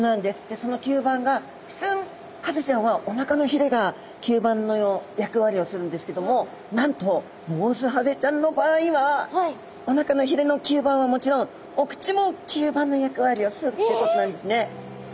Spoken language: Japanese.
その吸盤が普通ハゼちゃんはおなかのひれが吸盤の役割をするんですけどもなんとボウズハゼちゃんの場合はおなかのひれの吸盤はもちろんお口も吸盤の役割をするっていうことなんですね。